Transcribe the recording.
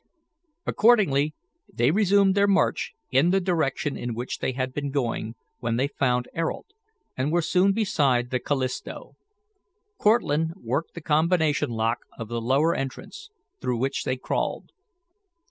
Accordingly, they resumed their march in the direction in which they had been going when they found Ayrault, and were soon beside the Callisto. Cortlandt worked the combination lock of the lower entrance, through which they crawled.